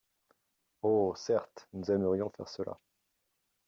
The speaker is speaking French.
Oh, certes, nous aimerions faire cela.